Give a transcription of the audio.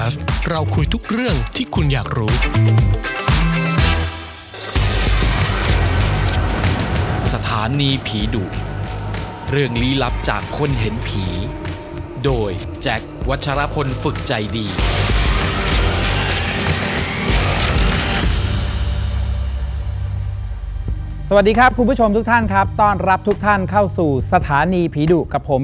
สวัสดีครับคุณผู้ชมทุกท่านครับต้อนรับทุกท่านเข้าสู่สถานีผีดุกับผม